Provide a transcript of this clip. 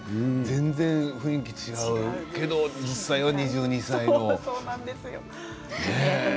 役によって全然雰囲気が違うけど実際には２２歳で。